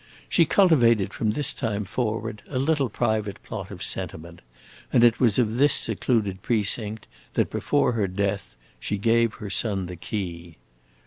She cultivated from this time forward a little private plot of sentiment, and it was of this secluded precinct that, before her death, she gave her son the key.